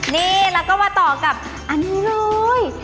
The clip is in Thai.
นี่แล้วก็มาต่อกับอันนี้เลย